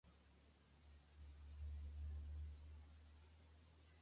Por este personaje conoció la fama internacional.